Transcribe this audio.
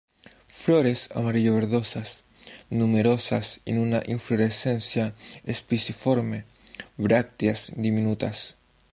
Flores amarillo verdosas, numerosas en una inflorescencia espiciforme; brácteas diminutas.